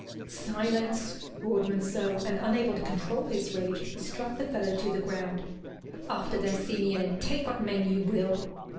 "Silence!" roared Monceux; and, unable to control his rage, he struck the fellow to the ground. "After them, Simeon, and take what men you will."